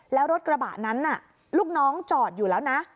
แล้วรถกระบะนั้นลูกน้องจอดอยู่แล้วนะ